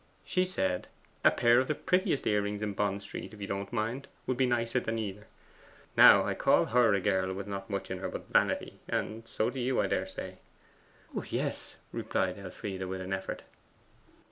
She said, "A pair of the prettiest earrings in Bond Street, if you don't mind, would be nicer than either." Now I call her a girl with not much in her but vanity; and so do you, I daresay.' 'Oh yes,' replied Elfride with an effort.